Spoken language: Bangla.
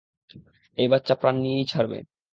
এই বাচ্চা প্রাণ নিয়েই ছাড়বে।